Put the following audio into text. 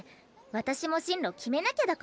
私も進路決めなきゃだから。